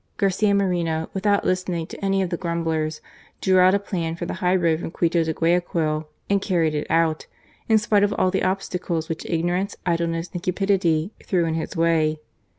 Garcia Moreno, without listening to any of the grumblers, drew out a plan for the high road from Quito to Guayaquil, and carried it out, in spite of all the obstacles which ignorance, idleness and cupidity threw in his way.